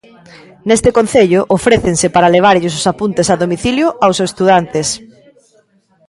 Neste concello ofrécense para levarlles os apuntes a domicilio aos estudantes.